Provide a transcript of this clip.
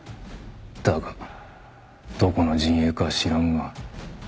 だがどこの陣営かは知らんが私には勝てん。